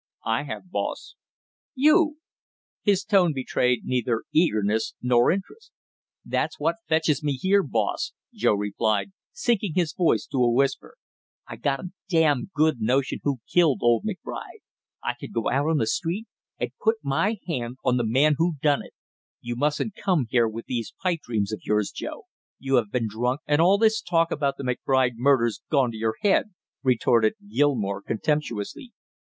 "I have, boss." "You?" His tone betrayed neither eagerness nor interest. "That's what fetches me here, boss!" Joe replied, sinking his voice to a whisper. "I got a damn good notion who killed old McBride; I could go out on the street and put my hand on the man who done it!" "You mustn't come here with these pipe dreams of yours, Joe; you have been drunk and all this talk about the McBride murder's gone to your head!" retorted Gilmore contemptuously.